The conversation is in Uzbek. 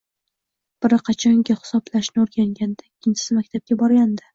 Biri, qachonki hisoblashni o‘rganganida, ikkinchisi, maktabga borganida.